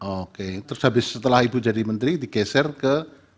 oke terus habis setelah ibu jadi menteri digeser ke